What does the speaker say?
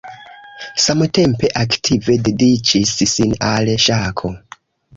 Samtempe aktive dediĉis sin al ŝako.